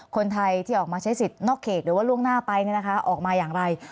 คนไทยที่ออกมาใช้สิทธิ์นอกเขตหรือว่าล่วงหน้าไปออกมาอย่างไร